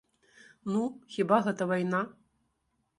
Ну, хіба гэта вайна?